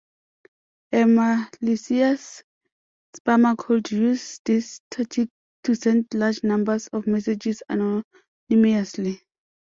A malicious spammer could use this tactic to send large numbers of messages anonymously.